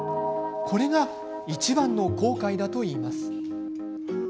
これがいちばんの後悔だといいます。